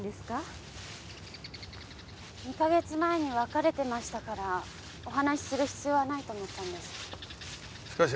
２か月前に別れてましたからお話しする必要はないと思ったんです。